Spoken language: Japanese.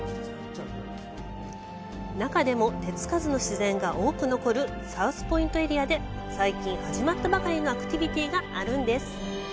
中でも、手つかずの自然が多く残るサウスポイントエリアで最近始まったばかりのアクティビティがあるんです。